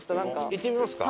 行ってみますか。